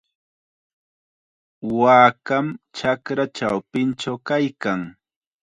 Waakam chakra chawpinchaw kaykan.